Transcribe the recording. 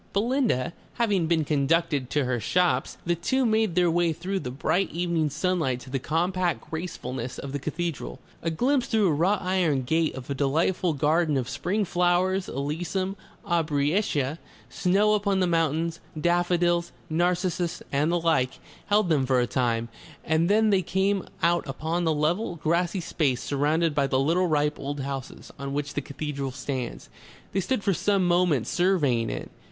Belinda having been conducted to her shops, the two made their way through the bright evening sunlight to the compact gracefulness of the cathedral. A glimpse through a wrought iron gate of a delightful garden of spring flowers, alyssum, aubrietia, snow upon the mountains, daffodils, narcissus and the like, held them for a time, and then they came out upon the level, grassy space, surrounded by little ripe old houses, on which the cathedral stands. They stood for some moments surveying it.